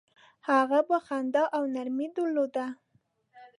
هغه به خندا او نرمي درلوده.